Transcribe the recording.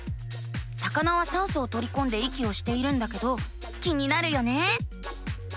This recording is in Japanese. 魚は酸素をとりこんで息をしているんだけど気になるよね。